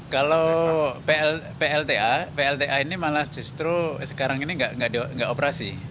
kalau plta plta ini malah justru sekarang ini nggak operasi